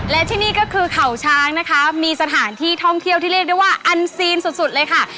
และที่นี่ก็คือเขาช้างนะคะมีสถานที่ท่องเที่ยวที่เรียกได้ว่าอันซีนสุดเลยค่ะ